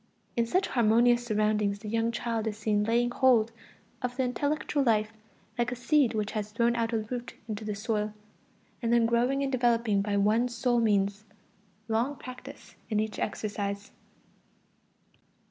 In such harmonious surroundings the young child is seen laying hold of the intellectual life like a seed which has thrown out a root into the soil, and then growing and developing by one sole means: long practice in each exercise.